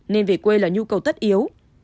nên về quê là nhu cầu tất yếu